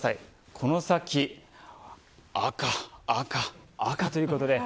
この先赤、赤、赤ということです。